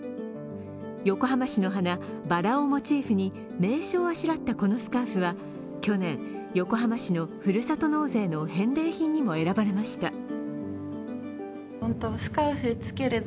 横浜市の花、ばらをモチーフに名所をあしらったこのスカーフは去年、横浜市のふるさと納税の返礼品にも選ばれました。